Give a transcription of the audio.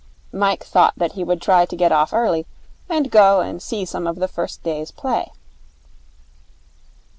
Mike thought that he would try to get off early, and go and see some of the first day's play.